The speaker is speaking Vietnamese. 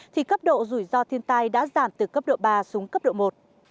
thì cấp độ rủi ro thiên tai đã giảm từ cấp độ ba xuống cấp độ một